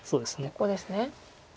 ここですね。